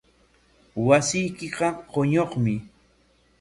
Wasiykiqa quñunmi.